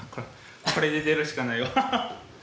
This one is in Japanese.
これで出るしかないわハハハ！